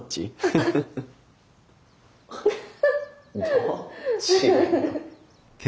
どっち。